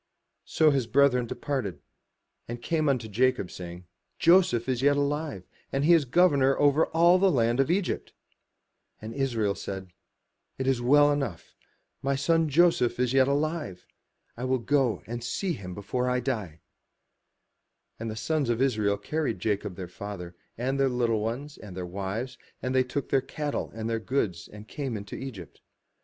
So his brethren departed: and came unto Jacob, saying, ''Joseph is yet alive, and he is governor over all the land of Egypt. And Israel said, "It is enough: Joseph my son is yet alive: I will go and see him before I die. And the sons of Israel carried Jacob their father, and their little ones, and their wives, and they took their cattle and their goods, and came into Egypt.